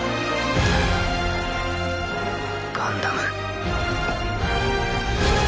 ガンダム。